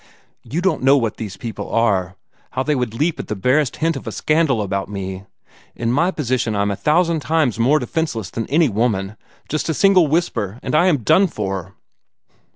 "You don't know what these people are how they would leap at the barest hint of a scandal about me. In my position I am a thousand times more defenceless than any woman. Just a single whisper, and I am done for!"